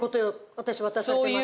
私渡されてますから。